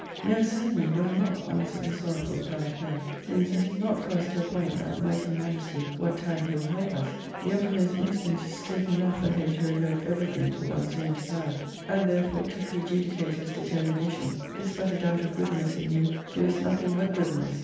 "No, certainly do I not," answered the sorrowful Philoclea, *' since it is not for us to appoint that mighty Majesty what time he will help us ; the uttermost instant is scope enough for him to revoke everything to one's own desire. And therefore to prejudicate his determination is but a doubt of goodness in him who is nothing but goodness.